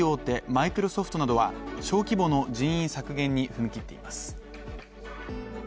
マイクロソフトなどは小規模の人員削減に踏み切っています。